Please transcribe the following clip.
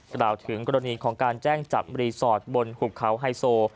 กล่าวถึงกรณีของการแจ้งจับรีสอร์ทบนหุบเขาไฮโซ